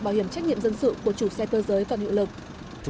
bảo hiểm trách nhiệm dân sự của chủ xe cơ giới và nữ lực